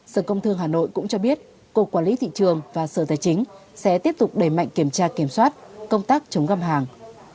sở công thương hà nội cũng cho biết cục quản lý thị trường và sở tài chính sẽ tiếp tục đẩy mạnh kiểm tra kiểm soát công tác chống găm hàng